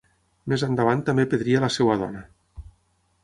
Més endavant també perdria la seva dona.